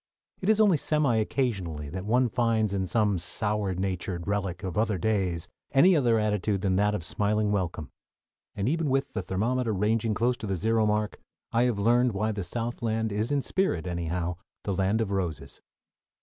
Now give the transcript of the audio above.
It is only semi occasionally that one finds in some sour natured relic of other days any other attitude than that of smiling welcome, and even with the thermometer ranging close to the zero mark I have learned why the Southland is in spirit anyhow the "Land of Roses."